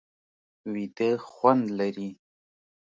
ویده خوند لري